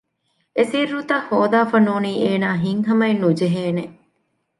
އެސިއްރުތައް ހޯދާފަ ނޫނީ އޭނާ ހިތް ހަމައެއް ނުޖެހޭނެ